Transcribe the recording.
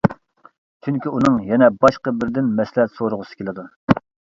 چۈنكى ئۇنىڭ يەنە باشقا بىرىدىن مەسلىھەت سورىغۇسى كېلىدۇ.